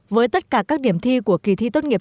với tất cả các điểm thi của kỳ thi tốt nghiệp